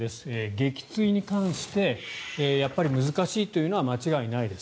撃墜に関してやっぱり難しいというのは間違いないです。